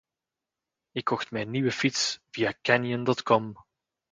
Ik kocht mijn nieuwe fiets via Canyon.com.